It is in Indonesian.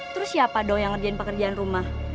terus siapa dong yang ngerjain pekerjaan rumah